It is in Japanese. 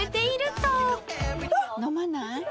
・飲まない？